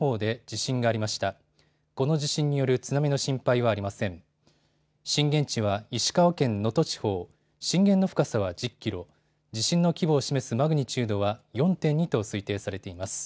震源の深さは１０キロ地震の規模を示すマグニチュードは４．２と推定されています。